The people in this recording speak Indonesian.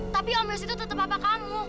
tapi om mercy tuh tetap apa kamu